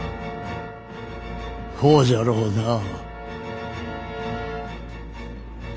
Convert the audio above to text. ほうじゃろうなぁ。